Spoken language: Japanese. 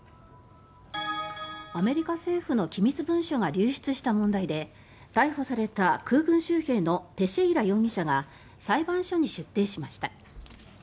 アメリカ政府の機密文書が流出した問題で逮捕された空軍州兵のテシェイラ容疑者が裁判所に出廷しました。